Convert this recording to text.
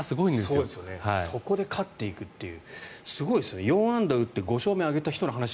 そこで勝っていくという。